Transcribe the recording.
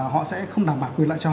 họ sẽ không đảm bảo quyền lại cho họ